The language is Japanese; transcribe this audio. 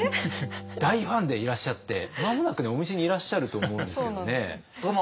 大ファンでいらっしゃって間もなくお店にいらっしゃると思うんですけどね。